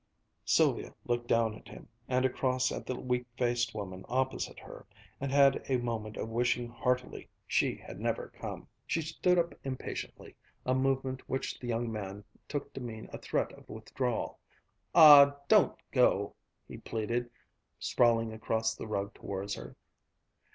Sylvia looked down at him, and across at the weak faced woman opposite her, and had a moment of wishing heartily she had never come. She stood up impatiently, a movement which the young man took to mean a threat of withdrawal. "Aw, don't go!" he pleaded, sprawling across the rug towards her.